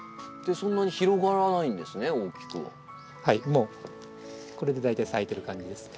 もうこれで大体咲いてる感じですね。